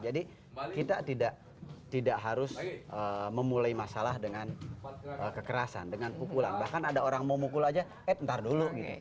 jadi kita tidak harus memulai masalah dengan kekerasan dengan pukulan bahkan ada orang mau mukul aja eh ntar dulu gitu